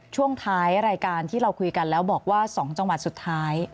ช่วงท้ายรายการที่เราคุยกันแล้วบอกว่า๒จังหวัดสุดท้าย